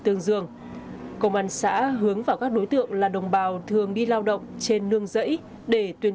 tương dương công an xã hướng vào các đối tượng là đồng bào thường đi lao động trên nương dãy để tuyên